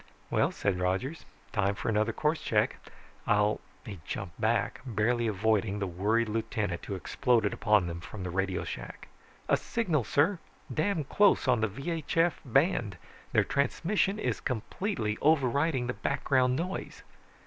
"Well," said Rogers, "time for another course check. I'll ..." He jumped back, barely avoiding the worried lieutenant who exploded upon them from the radio shack. "A signal, sir! Damn close, on the VHF band, their transmission is completely overriding the background noise."